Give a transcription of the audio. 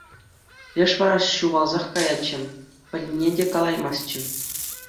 Леш вара ҫухалсах каятчӗ, пӗлнине те калаймастчӗ.